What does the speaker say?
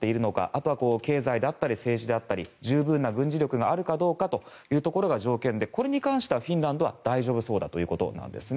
あとは経済であったり政治であったり十分な軍事力があるかどうかが条件で、これに関してはフィンランドは大丈夫そうということなんです。